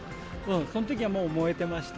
そのときはもう燃えてました。